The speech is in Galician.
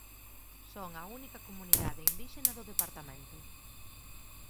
Son a única comunidade indíxena do departamento.